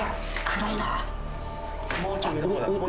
暗いな。